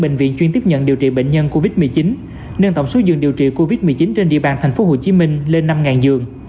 bệnh viện chuyên tiếp nhận điều trị bệnh nhân covid một mươi chín nâng tổng số giường điều trị covid một mươi chín trên địa bàn tp hcm lên năm giường